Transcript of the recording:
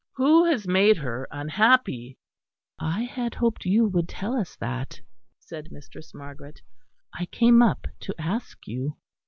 Who has made her unhappy?" "I had hoped you would tell us that," said Mistress Margaret; "I came up to ask you."